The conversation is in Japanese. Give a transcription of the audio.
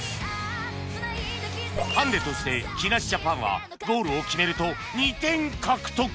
ハンデとして木梨ジャパンはゴールを決めると２点獲得